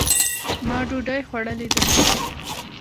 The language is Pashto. ما دوډۍ خوړلې ده